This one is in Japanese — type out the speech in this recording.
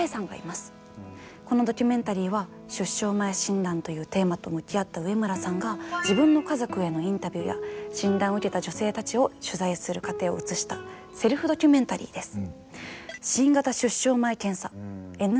このドキュメンタリーは出生前診断というテーマと向き合った植村さんが自分の家族へのインタビューや診断を受けた女性たちを取材する過程を映したセルフドキュメンタリーです。